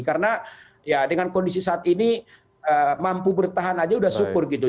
karena ya dengan kondisi saat ini mampu bertahan aja sudah syukur gitu